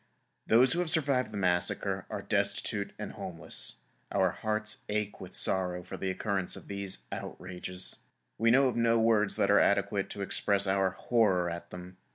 Those who have survived the massacre are destitute and homeless. Our hearts ache with sorrow for the occurrence of these outrages. We know of no words that are adequate to express our horror at them.